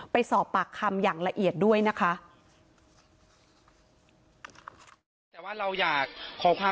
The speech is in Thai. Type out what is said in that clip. ไปสอบปากคำอย่างละเอียดด้วยนะคะ